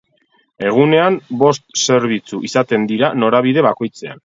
Egunean bost zerbitzu izaten dira norabide bakoitzean.